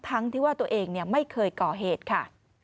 ทั้งที่ว่าตัวเองไม่เคยก่อเหตุค่ะ